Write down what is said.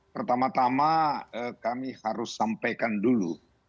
pertama tama kami harus sampaikan dulu